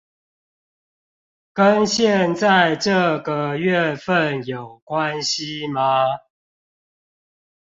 跟現在這個月份有關係嗎